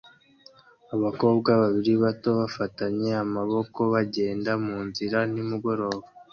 Abakobwa babiri bato bafatanye amaboko bagenda munzira nimugoroba